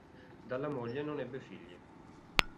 Dalla moglie non ebbe figli.